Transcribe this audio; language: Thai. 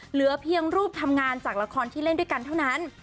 เหลือเพียงรูปทำงานจากละครที่เล่นด้วยกันเท่านั้น